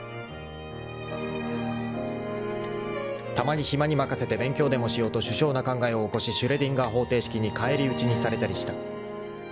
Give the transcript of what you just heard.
［たまに暇に任せて勉強でもしようと殊勝な考えを起こしシュレーディンガー方程式に返り討ちにされたりした］